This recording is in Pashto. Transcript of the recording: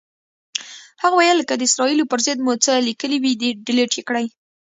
هغه ویل که د اسرائیلو پر ضد مو څه لیکلي وي، ډیلیټ یې کړئ.